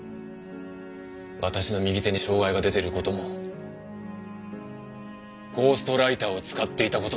私の右手に障害が出ている事もゴーストライターを使っていた事も。